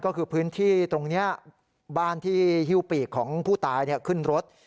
ก็คือพื้นที่ตรงนี้บ้านที่ฮิ้วปีกของผู้ตายขึ้นรถ